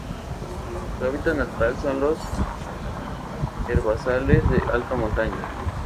Su hábitat natural son los herbazales de alta montaña.